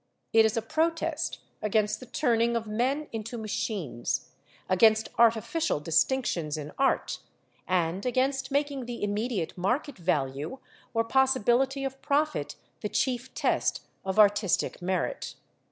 It is a protest against the turning of men into machines, against artificial distinctions in art, and against making the immediate market value, or possibility of profit, the chief test of artistic merit.